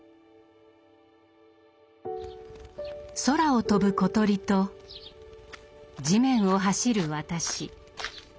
空を飛ぶ小鳥と地面を走る私。